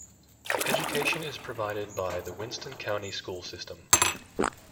Education is provided by the Winston County School System.